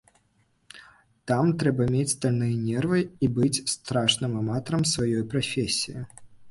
Там трэба мець стальныя нервы і быць страшным аматарам сваёй прафесіі.